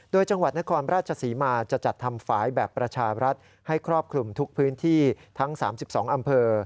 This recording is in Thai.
โดยจังหวัดนครราชศรีมาจะจัดทำฝ่ายแบบประชารัฐให้ครอบคลุมทุกพื้นที่ทั้ง๓๒อำเภอ